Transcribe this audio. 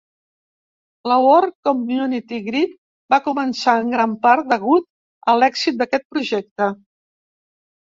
La World Community Grid va començar en gran part degut a l'èxit d'aquest projecte.